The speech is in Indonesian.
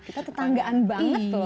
kita tetanggaan banget loh